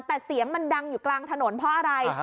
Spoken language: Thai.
แต่เสียงมันดังอยู่กลางถนนเพราะอะไร